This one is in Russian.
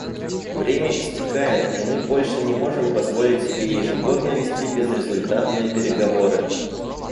Время истекает, и мы больше не можем позволить себе ежегодно вести безрезультатные переговоры.